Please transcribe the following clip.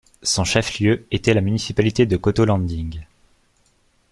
Son chef-lieu était la municipalité de Coteau-Landing.